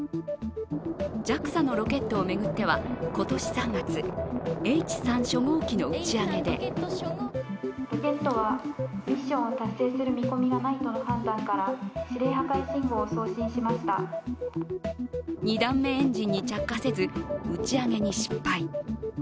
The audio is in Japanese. ＪＡＸＡのロケットを巡っては、今年３月、Ｈ３初号機の打ち上げで２段目エンジンに着火せず打ち上げに失敗。